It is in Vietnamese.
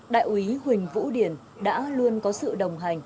đại ủy huỳnh vũ điển đã luôn có sự đồng hành